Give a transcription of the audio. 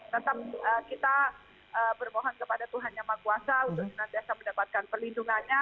tetap kita berbohong kepada tuhan yang maha kuasa untuk nanti bisa mendapatkan perlindungannya